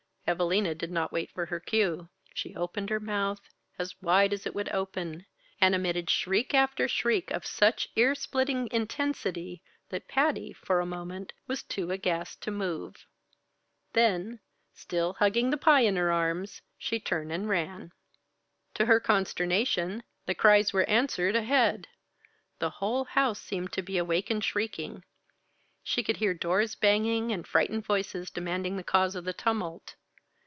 Evalina did not wait for her cue. She opened her mouth as wide as it would open, and emitted shriek after shriek of such ear splitting intensity, that Patty, for a moment, was too aghast to move. Then, still hugging the pie in her arms, she turned and ran. [Illustration: Evalina sat up and clutched the bedclothes about her neck] To her consternation the cries were answered ahead. The whole house seemed to be awake and shrieking. She could hear doors banging and frightened voices demanding the cause of the tumult.